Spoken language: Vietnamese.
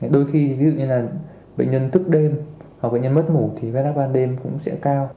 đôi khi ví dụ như là bệnh nhân tức đêm hoặc bệnh nhân mất ngủ thì vết áp ban đêm cũng sẽ cao